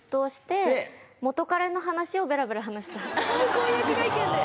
婚約会見で！